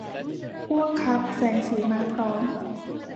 อ้วกครับ แสงสีมาพร้อม